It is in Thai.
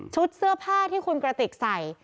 เสื้อผ้าที่คุณกระติกใส่